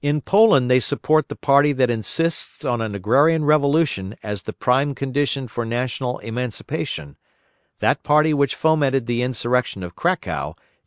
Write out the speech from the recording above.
In Poland they support the party that insists on an agrarian revolution as the prime condition for national emancipation, that party which fomented the insurrection of Cracow in 1846.